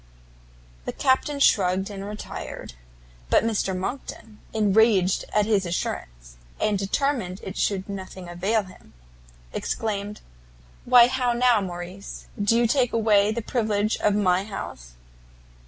The Captain shrugged and retired. But Mr Monckton, enraged at his assurance, and determined it should nothing avail him, exclaimed, "Why how now, Morrice, do you take away the privilege of my house?"